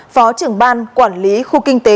phó trưởng ban quản lý khu kinh tế